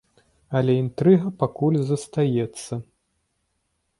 Але інтрыга пакуль застаецца.